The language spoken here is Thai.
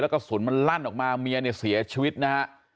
แล้วกระสุนมันลั่นออกมาเมียเสียชีวิตนะฮะ